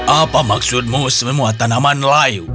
apa maksudmu semua tanaman layu